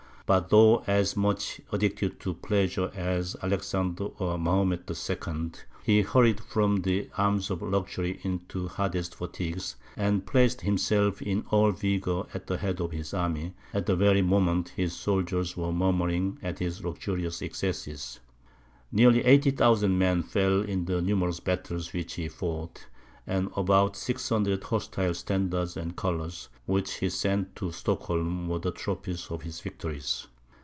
But though as much addicted to pleasure as Alexander or Mahomet the Second, he hurried from the arms of luxury into the hardest fatigues, and placed himself in all his vigour at the head of his army, at the very moment his soldiers were murmuring at his luxurious excesses. Nearly 80,000 men fell in the numerous battles which he fought, and about 600 hostile standards and colours, which he sent to Stockholm, were the trophies of his victories.